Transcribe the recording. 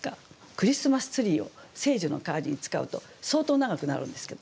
「クリスマスツリー」を「聖樹」の代わりに使うと相当長くなるんですけど。